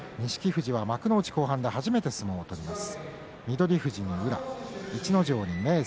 富士が幕内後半で初めて相撲を取ります。